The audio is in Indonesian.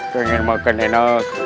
pengen makan enak